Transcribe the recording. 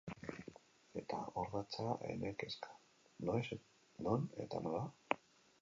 Eta hor datza ene kezka: noiz, non eta nola?